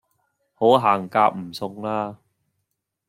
好行夾唔送啦